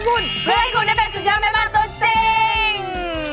บุญเพื่อให้คุณได้เป็นสุดยอดแม่บ้านตัวจริง